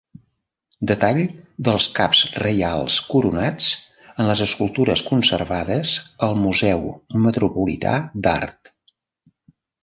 Detall dels caps reials coronats, en les escultures conservades al Museu Metropolità d'Art.